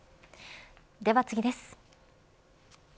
では次です。